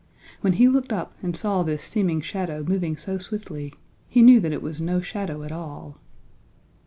When he looked up and saw this seeming shadow moving so swiftly he knew that it was no shadow at all.